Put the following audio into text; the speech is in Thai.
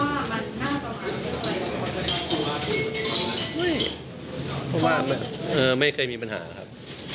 เพราะว่าไม่เคยมีปัญหาครับ